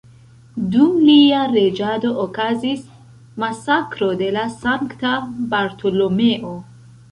Dum lia reĝado okazis masakro de la Sankta Bartolomeo.